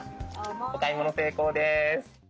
お買い物成功です。